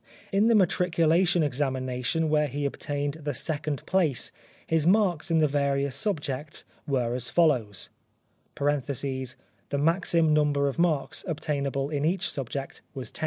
In the matricula tion examination where he obtained the second place his marks in the various subjects were as follows: (The maxim number of marks obtainable in each subject was 10.)